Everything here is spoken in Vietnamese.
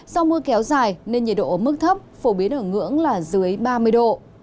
do mưa kéo dài nên nhiệt độ ở mức thấp phổ biến ở ngưỡng là dưới ba mươi độ